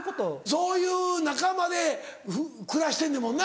そういう仲間で暮らしてんねんもんな。